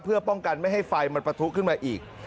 เพื่อป้องกันไม่ให้ไฟมันปะทุขึ้นมาอีก